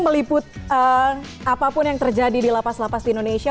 meliput apapun yang terjadi di lapas lapas di indonesia